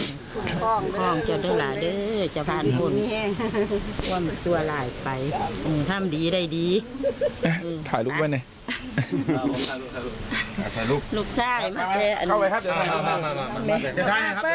แมมมาแค่นี้ภาหยาดฤทธิ์สุศเกษน้องทรายเขาสัก